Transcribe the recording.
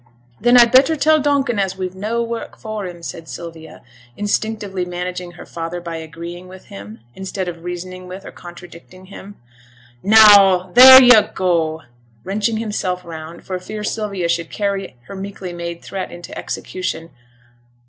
'Then I'd better tell Donkin as we've no work for him,' said Sylvia, instinctively managing her father by agreeing with him, instead of reasoning with or contradicting him. 'Now, theere you go!' wrenching himself round, for fear Sylvia should carry her meekly made threat into execution.